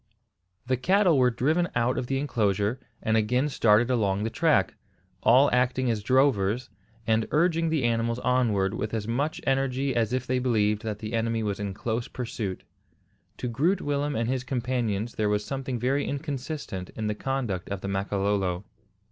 The cattle were driven out of the enclosure, and again started along the track, all acting as drovers, and urging the animals onward with as much energy as if they believed that the enemy was in close pursuit. To Groot Willem and his companions there was something very inconsistent in the conduct of the Makololo.